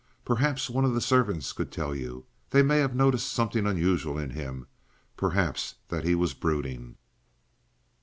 Perhaps one of the servants could tell you. They may have noticed something unusual in him perhaps that he was brooding."